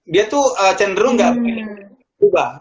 dia tuh cenderung nggak berubah